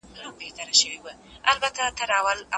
پوهاوی به زيات سي.